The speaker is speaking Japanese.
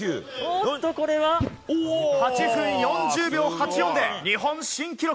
８分４０秒８４で日本新記録。